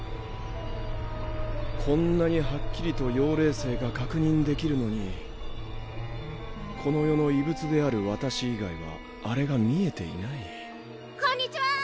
こんなにはっきりと妖霊星が確認できるのにこの世の異物である私以外はあれが見えていないこんにちは！